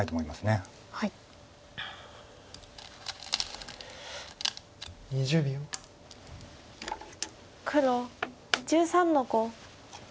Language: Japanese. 黒１３の五。